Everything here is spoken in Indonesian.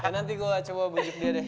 nanti gue coba bunjuk dia deh